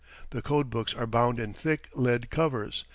The code books are bound in thick lead covers.